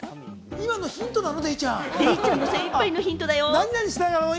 今のヒントなの？